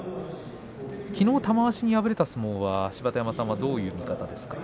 きのう玉鷲に敗れた相撲は芝田山さんはどういう見方ですか。